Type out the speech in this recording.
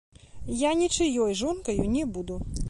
Я нічыёй жонкаю не буду.